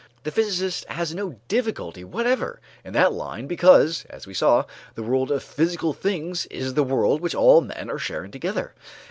The physicist has no difficulty whatever in that line because, as we saw, the world of physical things is the world which all men are sharing together.